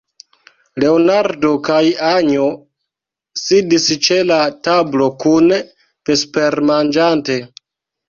Leonardo kaj Anjo sidis ĉe la tablo, kune vespermanĝante.